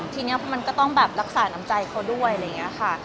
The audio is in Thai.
ทีนี้มันก็ต้องแบบรักษาน้ำใจเขาด้วยอะไรอย่างนี้ค่ะ